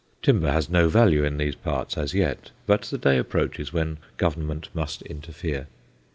Timber has no value in those parts as yet, but the day approaches when Government must interfere.